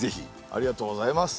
ありがとうございます。